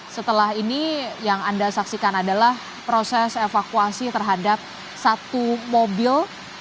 setelah ini yang anda saksikan adalah proses evakuasi terhadap satu mobil